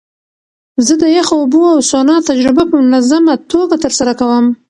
زه د یخو اوبو او سونا تجربه په منظمه توګه ترسره کوم.